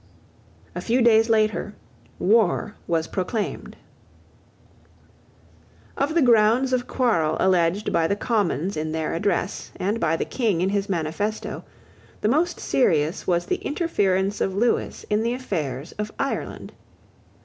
A few days later war was proclaimed, Of the grounds of quarrel alleged by the Commons in their address, and by the King in his manifesto, the most serious was the interference of Lewis in the affairs of Ireland.